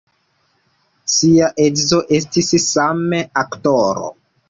Ŝia edzo estis same aktoro.